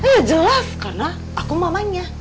iya jelas karena aku mamanya